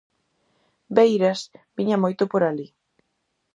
Beiras viña moito por alí.